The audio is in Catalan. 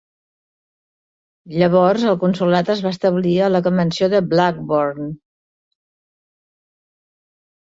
Llavors el consolat es va establir a la mansió Blackburn.